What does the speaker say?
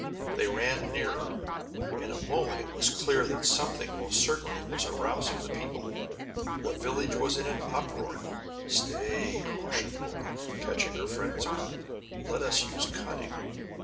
They ran nearer. In a moment it was clear that something most certainly was arousing the people. The village was in an uproar. "Stay!" cautioned Rolla, catching her friend's arm. "Let us use cunning!